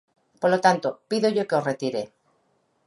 Polo tanto, pídolle que o retire.